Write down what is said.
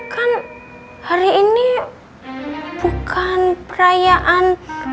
kan hari ini bukan perayaan